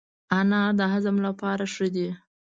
انار د هضم لپاره ښه دی.